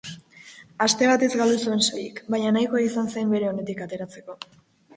Aste batez galdu zuen soilik, baina nahikoa izan zen bere onetik ateratzeko.